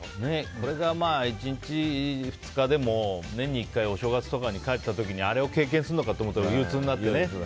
これが１日、２日でも年に１回お正月とかに帰った時にあれを経験するのかと憂鬱になってね。